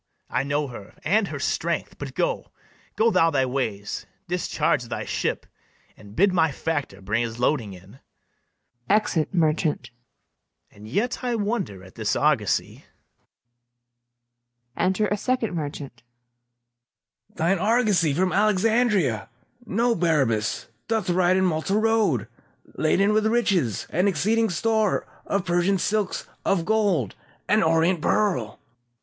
I know her and her strength. But go, go thou thy ways, discharge thy ship, And bid my factor bring his loading in. [Exit MERCHANT.] And yet I wonder at this argosy. Enter a Second MERCHANT. SECOND MERCHANT. Thine argosy from Alexandria, Know, Barabas, doth ride in Malta road, Laden with riches, and exceeding store Of Persian silks, of gold, and orient pearl.